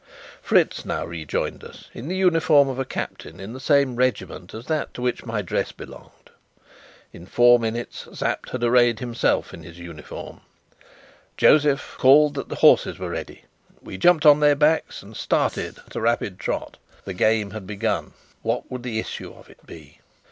Fritz now rejoined us in the uniform of a captain in the same regiment as that to which my dress belonged. In four minutes Sapt had arrayed himself in his uniform. Josef called that the horses were ready. We jumped on their backs and started at a rapid trot. The game had begun. What would the issue of it be?